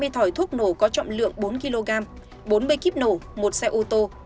hai mươi thỏi thuốc nổ có trọng lượng bốn kg bốn mươi kíp nổ một xe ô tô